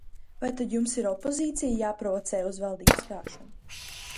Vai tad jums ir opozīcija jāprovocē uz valdības gāšanu?